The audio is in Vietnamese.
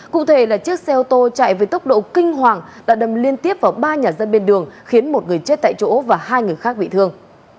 cụ thể là chiếc xe ô tô chạy với tốc độ kinh hoàng đã đâm liên tiếp vào ba nhà dân bên đường khiến một người chết tại chỗ và hai người khác bị thương